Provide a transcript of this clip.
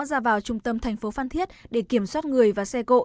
ra vào trung tâm tp phan thiết để kiểm soát người và xe cộ